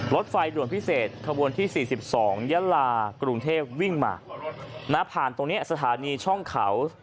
รถไฟด่วนพิเศษขบวนที่๔๒ยะลากรุงเทพวิ่งมาผ่านตรงนี้สถานีช่องเขา